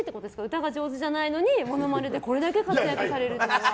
歌が上手じゃないのにモノマネでこれだけ活躍されるっていうのは。